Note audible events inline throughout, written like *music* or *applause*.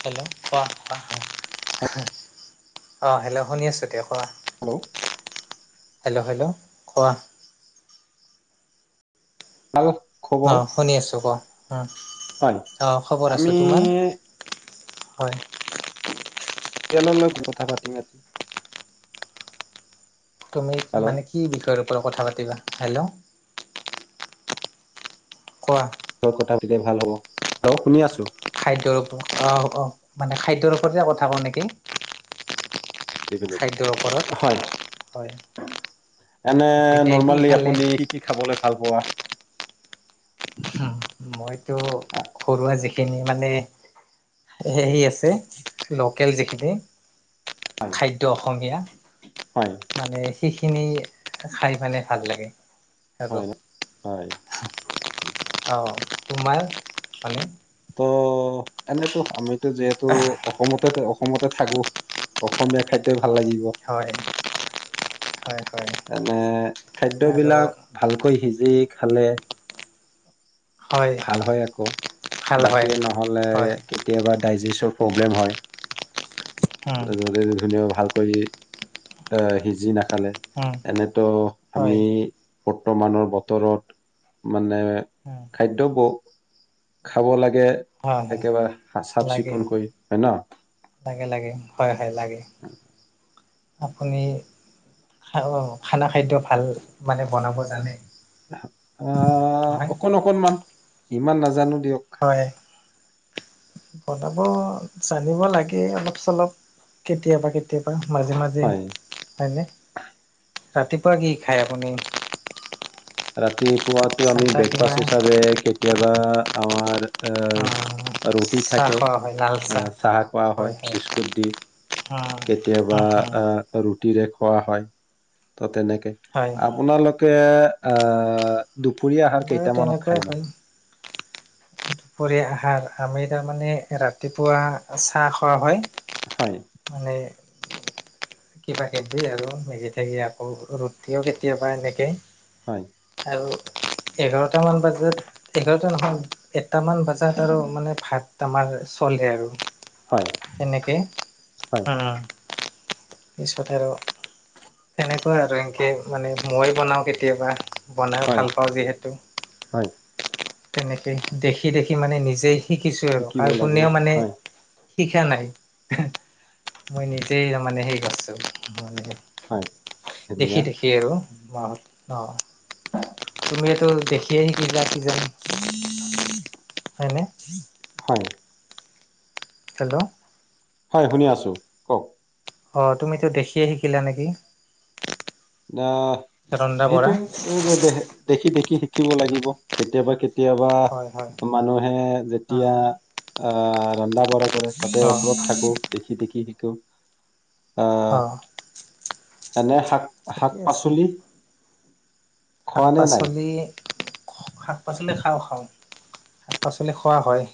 Hello কোৱা কোৱা? অ' হেল্ল' শুনি আছোঁ দিয়া, কোৱা? ক' হেল্ল' হেল্ল' কোৱা? ভাল খবৰ অ' শুনি আছোঁ ক' হয় অ' খবৰ আছো, আমি তোমাৰ? হয়। *unintelligible* কথা পাতিম আজি। তুমি হেল্ল' মানে কি বিষয়ৰ ওপৰ কথা পাতিবা? হেল্ল'। কোৱা? কথা পা ভাল হ'ব। ল্ল' শুনি আছো। খাদ্যৰ ওপ অ' অ' মানে খাদ্যৰ ওপৰতে কথা কও নেকি? খাদ্যৰ হয় ওপৰত, হয়। এনে গতিকে কি নৰ্মালি খালে আপুনি কি কি খাবলে ভাল পোৱা? মইতো ঘৰুৱা যিখিনি মানে হেৰি আছে লোকেল যিখিনি হয় খাদ্য অসমীয়া। হয়। মানে সেইখিনি খাই মানে ভাল লাগে। আৰু হয় হয়। অ' তোমাৰ মানে। ত' এনেতো আমিতো যিহেতু অসমতে অসমতে থাকো। অসমীয়া খা তে ভাল লাগিব। হয় হয় হয় এনে আৰু খাদ্যবিলাক ভালকৈ সিজি খালে হয় ভাল হয় আকৌ, ভাল বাকী হয় নহ'লে হয় কেতিয়াবা ডাইজেচৰ প্ৰব্লেম হয়, উম ধুন ভাল কৰি অ', সিজি নাখালে, উম এনেতো হয় আমি বৰ্তমানৰ বতৰত, মানে উম খাদ্য ব খাব লাগে, হয় হয় একেবাৰে লাগে চাফ-চিকুণকৈ হয় ন'। লাগে লাগে, হয় হয় লাগে। আপুনি অ', খানা খাদ্য ভাল, মানে বনাব জানে। অ', হয় অকন অকনমান, ইমান নাজানোঁ দিয়ক। হয়। বনাব জানিব লাগে, অলপ চলপ কেতিয়াবা কেতিয়াবা। কেতিয়াবা মাজে মাজে হয় হয়নে, ৰাতিপুৱা কি খায় আপুনি? ৰাতিপুৱটো চাহ আমি তাহ কিবা ব্ৰেকফাষ্ট হিচাপে, কেতিয়াবা আমাৰ অ', ৰুটি চাহ থাকে, খোৱা হয় লাল এ চাহ খোৱা হয়, বিস্কুট দি। হা কেতিয়াবা হা হা অ'। ৰুটিৰে খোৱা হয়। টো তেনেকে, হয় আপোনালোকে অ' দুপৰীয়া আহাৰ আমাৰো কেইটামানত তেনেকুৱাই খাই নো? হয় দুপৰীয়া আহাৰ, আমি তাৰমানে ৰাতিপুৱা চাহ খোৱা হয়। হয়। মানে কিবা-কিবি আৰু, মেগি চেগী আকৌ, ৰুতিও কেতিয়াবা এনেকেই। হয়। আৰু এঘাৰটা মান বজাত, এঘাৰটা নহয়। এটামান বাজাত আৰু, মানে ভাত আমাৰ চলে আৰু। হয়। এনেকে, হয় উম্। পিছত আৰু এনেকৈ আৰু, এনেকে মই বনাওঁ কেতিয়াবা। বনাই হয় ভাল পাওঁ যিহেতু, হয় তেনেকে দেখি দেখি মানে নিজে নিজেই শিকিছোঁ আৰু, শিকিব কাৰ লাগে কোনেও মানে হয় শিকা নাই, মই নিজেই ত' মানে সেই কৰিছোঁ। মানে হয় ধুনীয়া দেখি দেখি। অ', অ', তুমিয়েটো দেখি এই শিকি জাই কিজানি। অ', হয়নে? হয়। হেল্ল'! হয়, শুনি আছোঁ! অ', তুমিতো দেখিয়ে শিকিলা নেকি? অ', ৰন্ধা বঢ়া সেইটোৱেই, দেখি দেখি শিকিব লাগিব। কেতিয়াবা কেত কেতিয়াবা হয় হয় মানুহে অ যেতিয়া, অ' ৰন্ধা বঢ়া কৰে, তাতে অ অসমত ওচৰত থাকোঁ। দেখি দেখি শিকোঁ, অ', এনে শাক ঠিকে শাক-পাচলি শাক-পাচলি, শাক-পাচলি খাওঁ খাওঁ, শাক-পাচলি খোৱা হয়।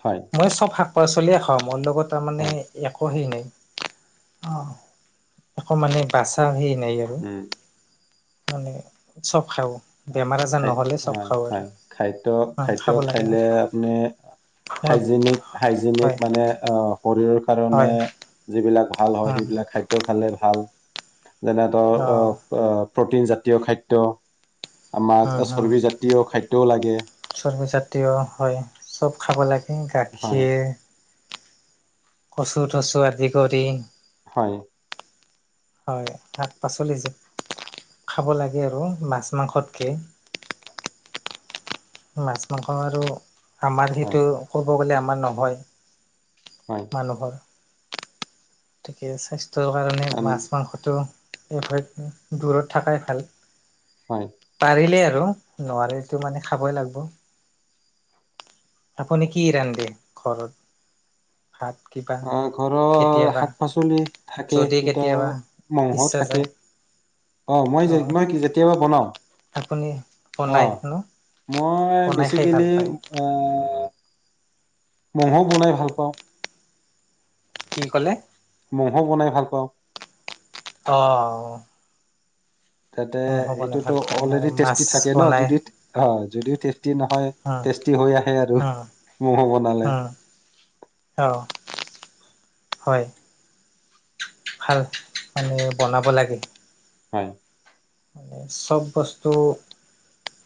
হয়। মই চব শাক পাচলিয়ে খাওঁ মোৰ লগত তাৰ মানে হয় একো সেই নাই অ একো মানে বাচা সেই নাই আৰু উম মানে চব খাওঁ বেমাৰ আজাৰ নহ'লে চব খাওঁ আৰু হয় খাদ্য অ খাদ্য খাব লাগে খাইলে আপুনি হয় হাইজেনিক হাইজেনিক হয় মানে অ শৰীৰৰ কাৰণে হয় যিবিলাক ভাল হয় উম সেইবিলাক খাদ্য খালে ভাল যেনে অ অঁ প্ৰটিন জাতীয় খাদ্য আমাক চৰ্বিজাতীয় খাদ্যও লাগে চৰ্বিজাতীয় হয় চব খাব লাগে হয় গাখীৰ কচু টচু আদি কৰি হয় হয় শাক পাচলি খাব লাগে আৰু মাছ মাংসতকে মাছ মাংস আৰু আমাৰ হয় সেইটো ক'ব গ'লে আমাৰ নহয় হয় মানুহৰ গতিকে স্বাস্থ্যৰ কাৰণে আম- মাছ মাংসটো এভইড দূৰত থকাই ভাল হয় পাৰিলে আৰু নোৱাৰিলেটো মানে খাবই লাগিব আপুনি কি ৰান্ধে ঘৰত ভাত কিবা অ ঘৰৰ কেতিয়াবা শাক পাচলি থাকে যদি কিন্তু আৰু কেতিয়াবা মংস ইচ্ছা থাকে যায় অ মই যে মই যেতিয়াবা আপুনি বনাও অ বনাই ন মই বনাই খাই ভাল বেচিকেলি পায় আহ ম'হো বনাই ভাল পাওঁ কি ক'লে? মহ বনাই ভাল পাওঁ অ তাতে হ'ব নে এইটো তো ভাল পায় আৰু অলৰেডি মাছ টেষ্টি থাকে ন বনাই অ যদিও টেষ্টি নহয় উম টেষ্টি হৈ আহে আৰু উম ম'মো বনালে অঁ হয় ভাল মানে বনাব লাগে হয় মানে চব বস্তু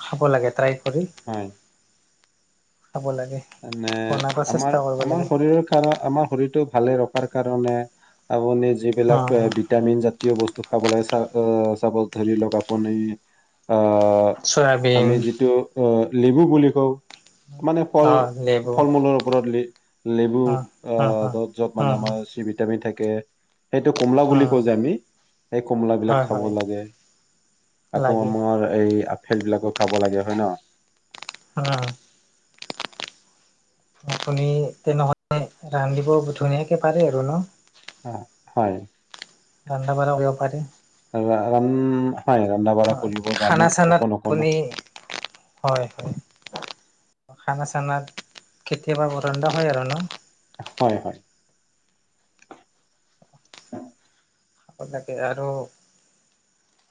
খাব লাগে ট্ৰাই কৰি হয় খাব লাগে মানে বনাব আমাৰ চেষ্টা কৰিব আমাৰ লাগে শৰীৰৰ কাৰ আমাৰ শৰীৰটো ভালে ৰখাৰ কাৰণে আপুনি অ যিবিলাক ভিটামিন জাতীয় বস্তু খাবলৈ চ চাবজ ধৰি লক আপুনি আহ চয়াবিন আমি যিটো লেবু বুলি কওঁ মানে ফল অ লেবু ফল মূলৰ ওপৰত লেবু উম উম আহ উম ত'ত য'ত মানে উম উম আমাৰ ভিটামিন থাকে সেইটো কমলা বুলি উম কও যে আমি সেই কমলা বিলাক হয় খাব হয় লাগে। আকৌ লাগে আমাৰ এই আপেল বিলাকক খাব লাগে হয়ে ন উম তেনেহলে ৰান্ধিব ধুনীয়াকে পাৰে আৰু ন? অ হয় ৰন্ধা বঢ়া কৰিব পাৰে ৰান, হয় ৰন্ধা বঢ়া হয়, কৰিব খানা জানো চানাত অকণ অকণ। আপুনি হয় হয়। খানা চানা কেতিয়াবা ৰন্ধা হয় আৰু ন'। হয় হয়। লাগে আৰু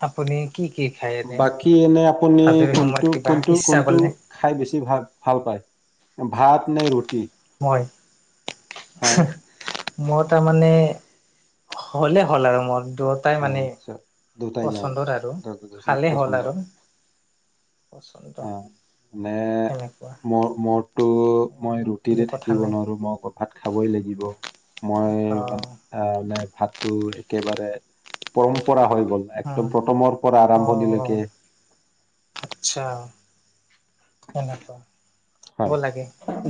আপুনি- কি কি খায়? এনে? বাকী এনে আপুনি আজৰি সময়ত কোনটো কিবা কোনটো ইচ্ছা কৰিলে কোনটো- খাই বেছি ভাল ভাল পায় ভাত নে ৰুটি? মই। হয় মোৰ তাৰমানে হ'লে হ'ল আৰু মোৰ দূৰত- অঁ' আচ্ছা' দুটা আৰু খালেই হ'ল আৰু *unintelligible* পচন্দ অঁ' মানে তেনেকুৱা মোৰ মোৰ - মই ৰুটিৰে বুলি কথা থাকিব নাই। নোৱাৰোঁ, মই ক ভাত খাবই লাগিব। মই- অ' আহ' মানে ভাতটো একেবাৰে- পৰম্পৰা হৈ গ'ল উম, একদম প্ৰথমৰ পৰা অ' আৰম্ভণিলৈকে। আচ্ছা'। সেনেকুৱা, হয় খাব লাগে।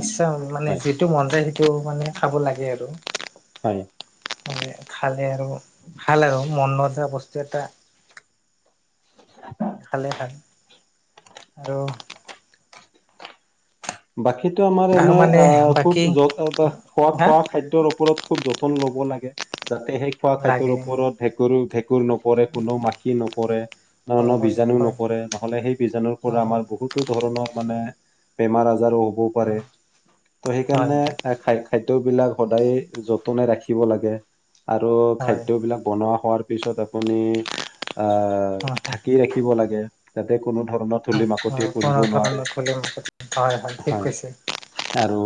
ইচ্ছা মানে হয় যিটো মন যায় সেইটো মানে খাব লাগে আৰু। হয়। খালে আৰু ভাল আৰু মন নোযোৱা বস্তু এটা- *unintelligible* নাখালে ভাল আৰু- বাকীতো আমাৰ আৰু এনে মানে আহ' খুব বাকী *unintelligible* হা খোৱা-খোৱা খাদ্য- ওপৰত খুব যতন ল'ব লাগে, যাতে সেই খোৱা খাদ্যৰ লাগে ওপৰত- ভেকুৰ-ভেকুৰ নপৰে, কোনো মাখি নপৰে- ন-ন হয় হয় বীজাণু হয় নপৰে, নহ'লে সেই বীজাণুৰ পৰা হয় হয় আমাৰ বহুত- ধৰণৰ মানে বেমাৰ আজাৰো হ'বও পাৰে। ত' হয় হয় সেইকাৰণে- খা-খাদ্য বিলাক সদায় যতনে ৰাখিব লাগে। আৰু হয় খাদ্যবিলাক বনোৱা হোৱাৰ পিছত আপুনি- আহ' থাকি ৰাখিব লাগে যাতে কোনো ধৰণত- ধূলি হয় মাকতি কোনো পৰিব নোৱাৰে। ধৰণৰ খুলি মুখত হয় ঠিক হয় কৈছে আৰু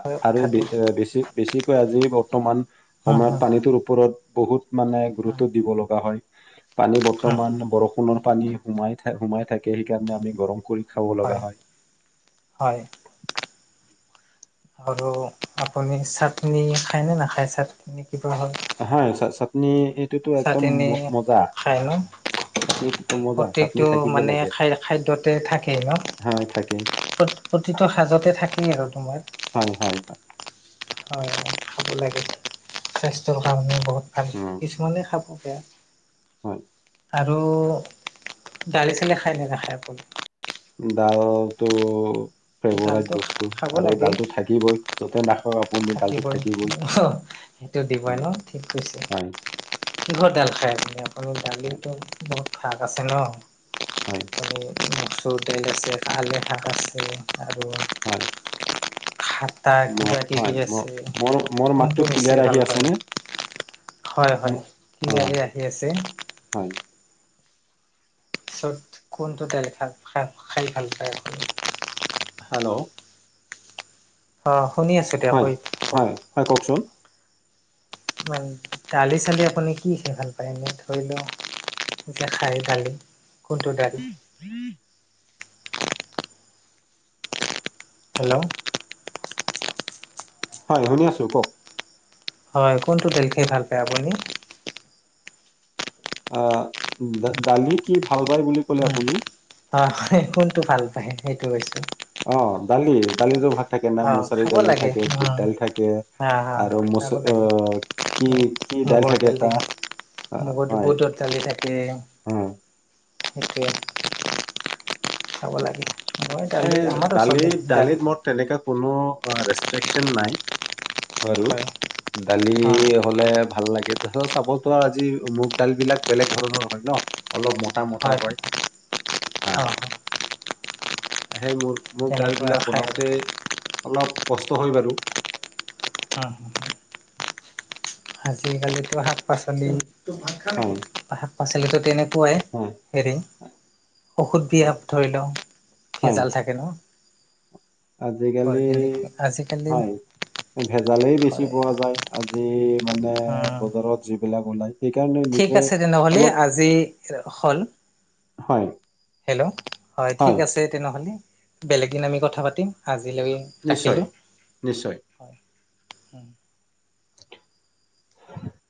হয় আৰু *unintelligible* কথাটো বেছি-বেছিকৈ আজি বৰ্তমান হুম সময়ত হুম পানীটোৰ ওপৰত- বহুত মানে হুম গুৰুত্ব দিব লগা হয়। পানী হুম হুম বৰ্তমান বৰষুণৰ পানী- সোমাই থা, সোমাই থাকে সেই কাৰণে আমি গৰম কৰি খাব লগা হয়। হয়। আৰু আপুনি চাটনি খায়নে নাখায়, চাটনি কিবা হত? হয় চা- চাটনি এইটোতো একদম চাটনি ম- মজা খায় ন'? চাটনিটোতো মজা চাটনি প্ৰত্যেকটো থাকিব মানে লাগে খাই খাদ্যতে থাকে ন'। হয় থাকে। প্ৰতি প্ৰতিটো সাজতেই থাকেই আৰু তোমাৰ। হয়-হয়-হয়। হয় খাব লাগে, স্বাস্থ্যৰ কাৰণে বহুত- ভাল, উম কিছুমানে খাব বেয়া- হয়। আৰু দালি-চালি খাই নে নাখাই আপুনি? দালটো ফেভৰাইট দালটো বস্তু খাব আৰু লাগে দালটো থ থাকিবই যতে নাখক থাকিবই অ সেইটো দিবই উম ন ঠিক কৈছে। হয় কিহৰ দাল খায় আপুনি? আপুনি হয় দালিৰটো বহুত ভাগ আছে ন। হয়। মচুৰ দাইল আছে কাল এ শাক আছে আৰু হয়। খাতা ম হয় কিবা-কিবি ম আছে মোৰ মোৰ মাতটো কোনটো বেছি ক্লিয়াৰ আহি ভাল পায়? আছেনে হয়-হয় ম- অ *unintelligible* আহি আছে। হয় পিছত কোনটো দালিভাত খ খাই ভাল পায় আপুনি। হেল্ল'। অ' শুনি আছো দিয়ক হয়। হয়-হয় কওকচোন। হয় দালি-চালি আপুনি কি খাই ভাল পায় এনেই ধৰি লও এতিয়া খাই দালি কোনটো দালি। *inaudible* হেল্ল'। হয় শুনি আছো কওক। হয় কোনটো দাইল খাই ভাল পায় আপুনি? অ দ দালি কি ভাল পায় বুলি কলে আপুনি। হয়-হয় কোনটো ভাল পায় সেইটো কৈছো। অ দালি-দালিটো ভা থাকে না অ মুছাৰী খাব দালি লাগে থাকে বুট উম দালি থাকে হা হা আৰু মুচ খাব অ লাগে কি কি দাইল থাকে এটা আহ মগু হয় বুটত দালি থাকে অ সেইটোৱে। খাব লাগে। মই এই দালি আমাৰো চলে দালি দালিত-দালিত মদ তেনেকুৱা কোনো ৰেস্টিকচন নাই বাৰু হয় দালি হয় হলে ভাল লাগে তাৰপিচত চাপ'জ ধৰা আজি মুগ দালবিলাক বেলেগ ধৰণৰ হয় ন। অলপ মটা-মটা কয় হা। অ সেই মুগ তেনেকুৱা মুগদালবিলাক খাই আৰু বনাওতে অলপ কষ্ট হয় বাৰু। অ, আজিকালিতো শাক-পাচলি। তোক ভাত খা নেকি হয় শাক পাচলিটো তেনেকুৱাই। হয়। হেৰি ঔষধবিলাক ধৰি লওঁ হয় ভেজাল থাকে ন। আজিকালি অৰ্গেনিক আজিকালি হয় ভেজালেই বেছি হয় পোৱা যায় আজি মানে উম বজাৰত যি বিলাক ওলাই। সেইকাৰণে ঠিক নিজে আছে তেনেহ'লে অলপ আজি হ'ল। হয় হেল্ল' হয় ঠিক আছে তেনেহ'লে বেলেগদিন আমি কথা পাতিম আজিলৈ নিশ্চয় ৰাখিলোঁ। নিশ্চয়। হয় হ।